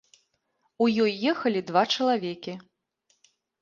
У ёй ехалі два чалавекі.